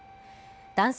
男性